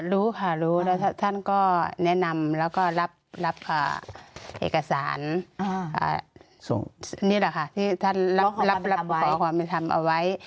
รู้ค่ะรู้แล้วท่านก็แนะนำแล้วก็รับเอกสารนี่แหละค่ะที่ท่านรับขอความเป็นธรรมเอาไว้